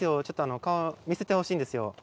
ちょっと顔見せてほしいんですよ。